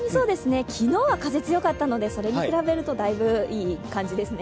昨日は風が強かったので、それに比べるとだいぶいい感じですね。